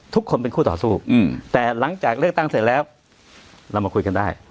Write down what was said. ทุกคนเป็นคู่ต่อสู้แต่หลังจากเลือกตั้งเสร็จแล้วเรามาคุยกันได้